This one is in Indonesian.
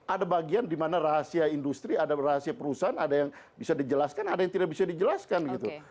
ada bagian di mana rahasia industri ada rahasia perusahaan ada yang bisa dijelaskan ada yang tidak bisa dijelaskan gitu